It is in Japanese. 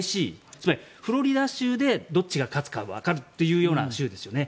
つまり、フロリダ州でどっちが勝つかわかるという州ですよね。